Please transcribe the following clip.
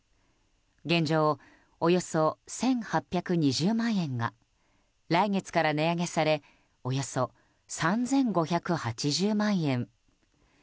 現状、およそ１８２０万円が来月から値上げされおよそ３５８０万円。